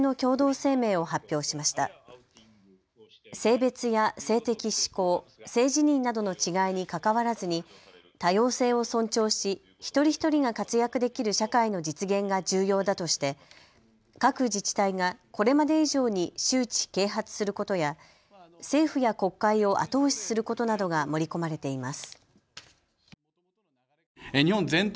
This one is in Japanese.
性別や性的指向、性自認などの違いにかかわらずに多様性を尊重し一人一人が活躍できる社会の実現が重要だとして各自治体がこれまで以上に周知・啓発することや政府や国会を後押しすることなどが盛り込まれています。